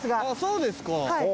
あっそうですか。